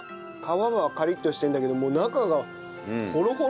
皮はカリッとしてるんだけどもう中がホロホロで。